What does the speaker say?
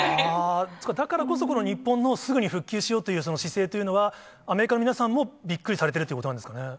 だからこそ、日本のすぐに復旧しようというその姿勢というのは、アメリカの皆さんもびっくりされているということなんですかね？